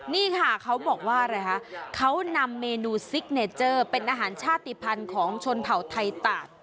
นี่ค่ะเขาบอกว่าอะไรคะเขานำเมนูซิกเนเจอร์เป็นอาหารชาติภัณฑ์ของชนเผ่าไทยตาก